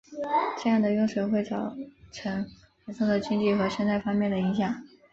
这样的用水会造成严重的经济和生态方面的影响。